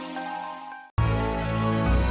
dari mana be